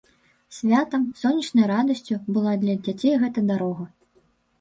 Святам, сонечнай радасцю была для дзяцей гэта дарога.